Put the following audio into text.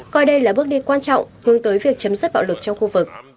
coi đây là bước đi quan trọng hướng tới việc chấm dứt bạo lực trong khu vực